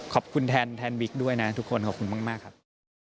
ขอบคุณแทนบิ๊กด้วยนะทุกคนขอบคุณมากครับ